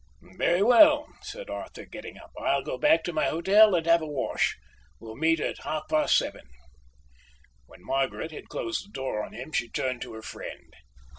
"Very well," said Arthur, getting up. "I'll go back to my hotel and have a wash. We'll meet at half past seven." When Margaret had closed the door on him, she turned to her friend.